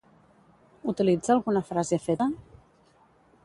Utilitza alguna frase feta?